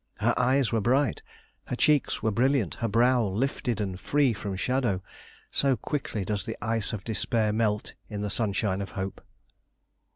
Her eyes were bright, her cheeks were brilliant, her brow lifted and free from shadow; so quickly does the ice of despair melt in the sunshine of hope.